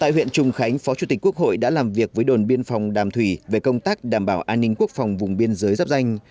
hội đã làm việc với đồn biên phòng đàm thủy về công tác đảm bảo an ninh quốc phòng vùng biên giới dắp danh